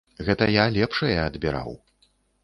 Гэта я лепшае адбіраў.